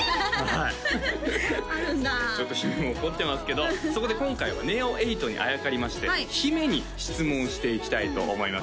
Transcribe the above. はいあるんだちょっと姫も怒ってますけどそこで今回はＮＥＯ８にあやかりまして姫に質問していきたいと思います